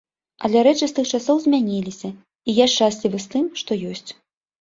Але рэчы з тых часоў змяніліся, і я шчаслівы з тым, што ёсць.